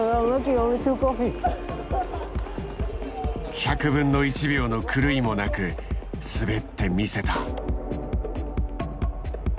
１００分の１秒の狂いもなく滑ってみせた。